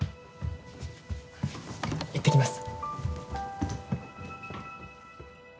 いってきます。